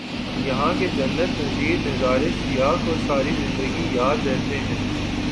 یہاں کے جنت نظیر نظارے سیاح کو ساری زندگی یاد رہتے ہیں